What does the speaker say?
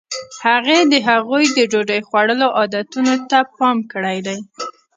هغې د هغوی د ډوډۍ خوړلو عادتونو ته پام کړی دی.